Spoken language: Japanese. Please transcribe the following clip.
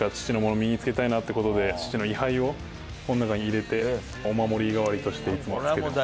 身につけたいなってことで、父の遺灰をこの中に入れて、お守り代わりとしていつもつけてます。